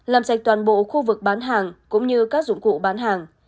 làm sạch toàn bộ khu vực bán hàng cũng như các dụng cụ bán hàng